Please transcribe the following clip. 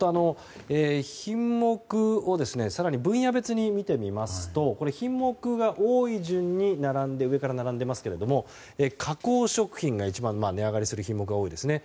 品目を更に分野別に見てみますと品目が多い順に上から並んでいますが加工食品が一番値上がりする品目が多いですね。